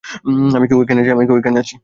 আমি কি ঐখানে আছি?